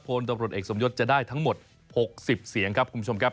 พลตำรวจเอกสมยศจะได้ทั้งหมด๖๐เสียงครับคุณผู้ชมครับ